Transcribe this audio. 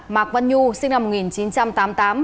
mạc văn nhu sinh năm một nghìn chín trăm tám mươi tám